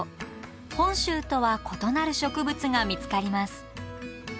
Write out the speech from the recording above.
本州とは異なる植物が見つかります。